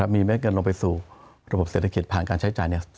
มีเม็ดเงินลงไปสู่ระบบเศรษฐกิจผ่านการใช้จ่าย